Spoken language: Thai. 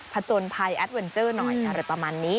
จนภัยแอดเวนเจอร์หน่อยอะไรประมาณนี้